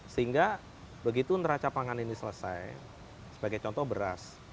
sehingga begitu neraca pangan ini selesai sebagai contoh beras